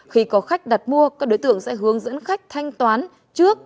khi có khách đặt mua các đối tượng sẽ hướng dẫn khách thanh toán trước